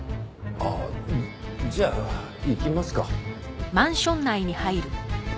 ああじゃあ行きますか。